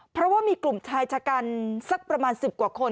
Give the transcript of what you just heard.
เพราะว่ามีกลุ่มชายชะกันสักประมาณ๑๐กว่าคน